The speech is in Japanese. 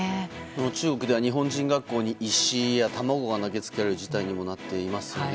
中国では日本人学校に石や卵が投げつけられる事態にもなっていますよね。